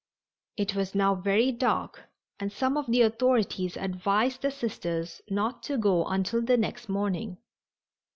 It was now very dark, and some of the authorities advised the Sisters not to go until the next morning.